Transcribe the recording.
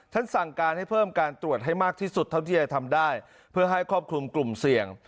สั่งการให้เพิ่มการตรวจให้มากที่สุดเท่าที่จะทำได้เพื่อให้ครอบคลุมกลุ่มเสี่ยง